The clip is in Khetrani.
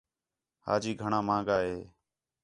حاجی گھݨاں ماہنگا ہِے